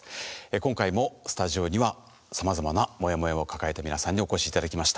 今回もスタジオにはさまざまなモヤモヤを抱えた皆さんにお越しいただきました。